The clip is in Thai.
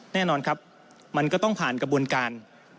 แน่นอนครับมันก็ต้องผ่านกระบวนการ